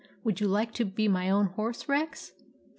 " Would you like to be my own horse, Rex